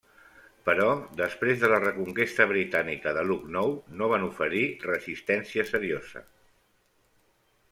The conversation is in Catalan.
Però després de la reconquesta britànica de Lucknow no van oferir resistència seriosa.